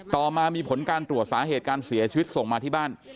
ต่อมามีผลการตรวจสาเหตุการเสียชีวิตส่งมาที่บ้าน